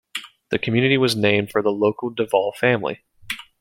The community was named for the local Devol family.